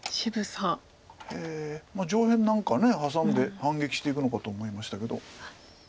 へえ上辺何かハサんで反撃していくのかと思いましたけど。